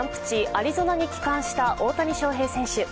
アリゾナに帰還した大谷翔平選手。